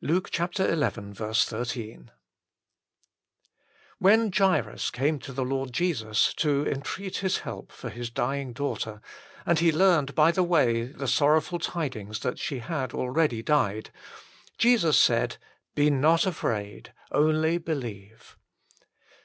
LUKE xi. 13. "ITT HEN Jairus came to the Lord Jesus to entreat His help for his dying daughter, and he learned by the way the sorrowful tidings that she had already died, Jesus said :" Be not afraid : only believe."